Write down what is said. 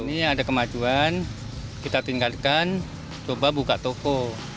ini ada kemajuan kita tinggalkan coba buka toko